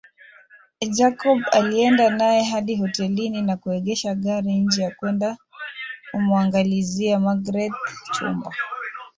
Jacob alienda naye hadi hotelini na kuegesha gari nje na kwenda kumuangalizia magreth chumba